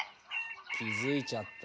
気付いちゃった？